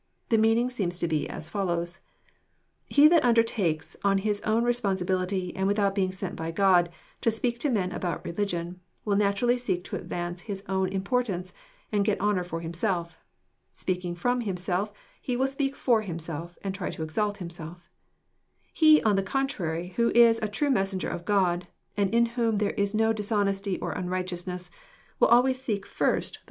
The meaning seems to be as follows :— 'e that undertakes on his own re sponsibility, and without being sent by Ubd, to speak to men about religion, will naturally seek to advance his own ira * portance, and get honour for himself. Speaking from himself, he will speak for himself, and try to exalt himself. He, on the contrary, who is. a true messenger of God, and in whom there is no dishonesty or unrighteousness, will always seek first the 22 EXPOsrroBY thoughts.